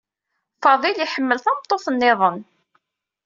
Faḍil yḥemmel tameṭṭut niḍen.